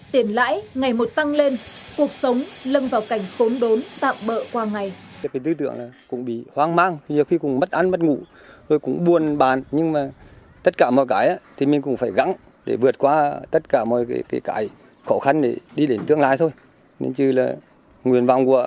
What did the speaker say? tiền lãi ngày một tăng lên cuộc sống lâm vào cảnh khốn đốn tạm bỡ qua ngày